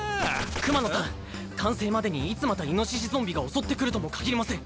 熊野さん完成までにいつまたイノシシゾンビが襲ってくるともかぎりません。